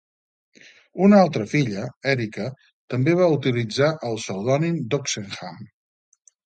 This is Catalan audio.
Una altra filla, Erica, també va utilitzar el pseudònim d'Oxenham.